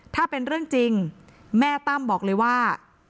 ถ้าเป็นเรื่องจริงแม่ตั้มบอกเลยว่า